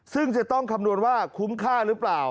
ซึ่งจะต้องคำนวณว่าคุ้มค่าหรือเปล่า